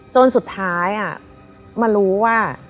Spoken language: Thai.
จนสุดท้ายมารู้ว่า